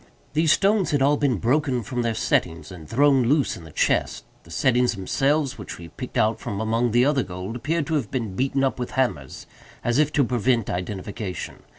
These stones had all been broken from their settings and thrown loose in the chest. The settings themselves, which we picked out from among the other gold, appeared to have been beaten up with hammers, as if to prevent identification.